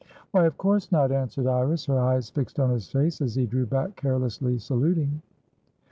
"Why of course not," answered Iris, her eyes fixed on his face as he drew back carelessly saluting.